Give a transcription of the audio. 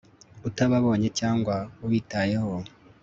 Utababonye cyangwa ubitayeho